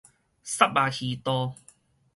虱目魚肚